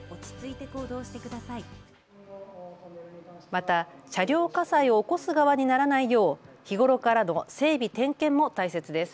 また車両火災を起こす側にならないよう日頃からの整備・点検も大切です。